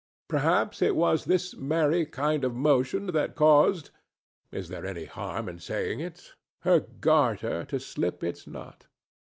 Perhaps it was this merry kind of motion that caused—is there any harm in saying it?—her garter to slip its knot.